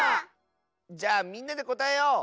じゃあみんなでこたえよう！